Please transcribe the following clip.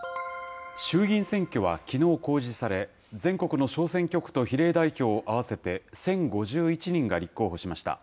衆議院選挙はきのう公示され、全国の小選挙区と比例代表合わせて１０５１人が立候補しました。